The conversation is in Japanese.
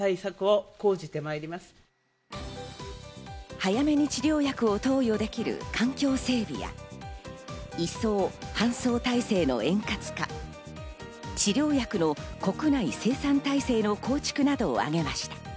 早めに治療薬を投与できる環境整備や、移送・搬送体制の円滑化、治療薬の国内生産体制の構築などを挙げました。